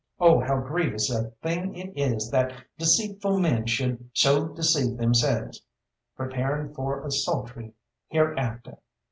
Oh, how grievous a thing it is that deceitful men should so deceive themselves, preparing for a sultry hereafter.